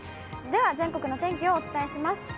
では、全国の天気をお伝えします。